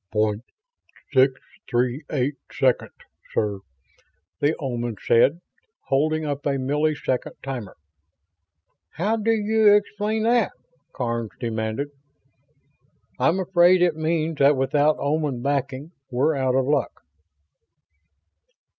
"Point six three eight seconds, sir," the Omans said, holding up a millisecond timer. "How do you explain that?" Karns demanded. "I'm afraid it means that without Oman backing we're out of luck."